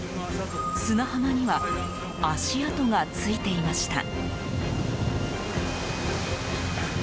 砂浜には足跡がついていました。